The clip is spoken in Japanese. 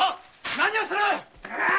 何をする！